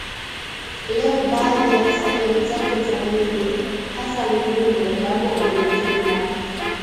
Leo baadhi ya sehemu zake za mwili, hasa mguu mmojawapo ulivimba